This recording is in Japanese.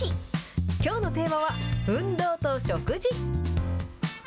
きょうのテーマは、運動と食事。